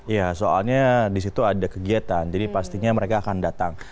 ya soalnya di situ ada kegiatan jadi pastinya mereka akan datang